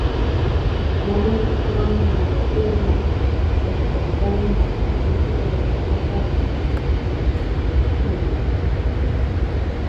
Многу е пишувано за недостигот од претставување на различностите во детската книжевност.